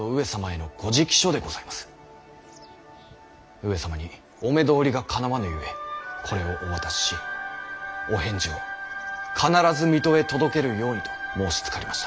上様にお目通りがかなわぬゆえこれをお渡ししお返事を必ず水戸へ届けるようにと申しつかりました。